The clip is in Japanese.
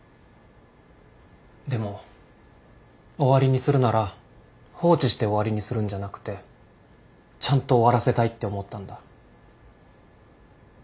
でも終わりにするなら放置して終わりにするんじゃなくてちゃんと終わらせたいって思ったんだ。